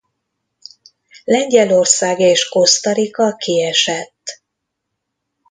Lengyelország és Costa Rica kiesett.